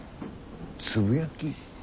つぶやき？